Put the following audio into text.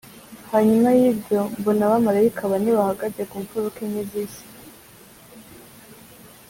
Hanyuma y’ibyo mbona abamarayika bane bahagaze ku mpfuruka enye z’isi